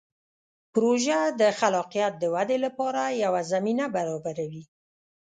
پروژه د خلاقیت د ودې لپاره یوه زمینه برابروي.